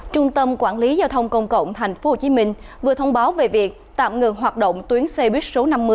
trung tâm quản lý giao thông công cộng tp hcm vừa thông báo về việc tạm ngừng hoạt động tuyến xe buýt số năm mươi